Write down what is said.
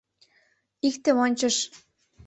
Иктым ончыш.